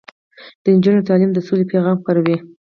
د نجونو تعلیم د سولې پیغام خپروي.